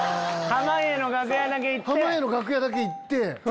濱家の楽屋だけ行って！